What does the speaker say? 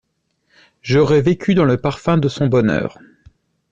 J'aurais vécu dans le parfum de son bonheur.